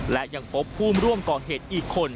และยังพบผู้ร่วมก่อเหตุอีกคน